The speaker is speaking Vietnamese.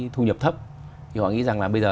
thu nhập thấp thì họ nghĩ rằng là bây giờ